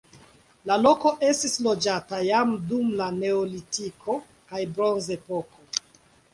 La loko estis loĝata jam dum la neolitiko kaj bronzepoko.